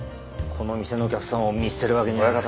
この店のお客さんを見捨てるわけには。